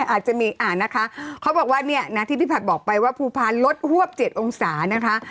อาจจะมีเขาบอกว่าที่พี่ภัฏบอกไปว่าภูฟานลดรวบ๗องศานะครับ